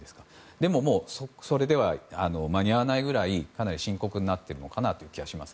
でも、それでは間に合わないくらい深刻になっているのかなと思います。